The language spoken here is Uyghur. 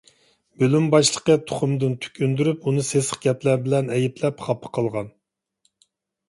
بۆلۈم باشلىقى تۇخۇمدىن تۈك ئۈندۈرۈپ، ئۇنى سېسىق گەپلەر بىلەن ئەيىبلەپ خاپا قىلغان.